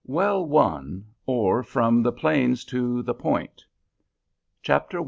WELL WON; OR, FROM THE PLAINS TO "THE POINT." CHAPTER I.